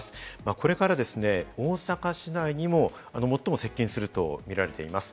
これから大阪市内にも最も接近するとみられています。